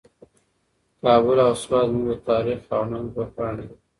کابل او سوات زموږ د تاریخ او ننګ دوه پاڼې دي.